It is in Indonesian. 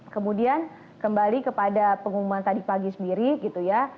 kemudian kembali kepada pengumuman tadi pagi sendiri gitu ya